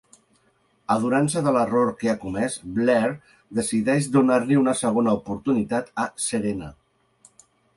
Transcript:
Adonant-se de l'error que ha comès, Blair decideix donar-li una segona oportunitat a Serena.